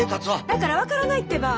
だから分からないってば！